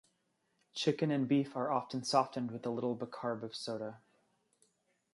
Chicken and beef are often softened with a little bicarb of soda.